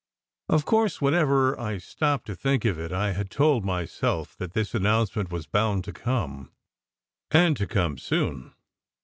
Of course, whenever I stopped to think of it, I had told myself that this announcement was bound to come, and to come soon.